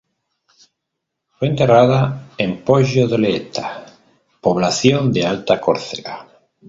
Fue enterrada en Poggio-d'Oletta, población de Alta Córcega.